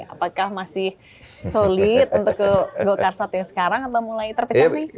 apakah masih solid untuk ke golkar saat yang sekarang atau mulai terpecah sih